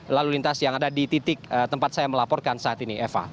lalu lintas yang ada di titik tempat saya melaporkan saat ini eva